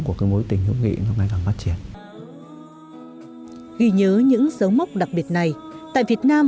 của cái mối tình hữu nghị nó ngày càng phát triển ghi nhớ những dấu mốc đặc biệt này tại việt nam